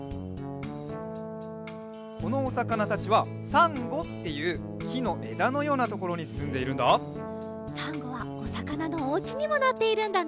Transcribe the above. このおさかなたちはサンゴっていうきのえだのようなところにすんでいるんだサンゴはおさかなのおうちにもなっているんだね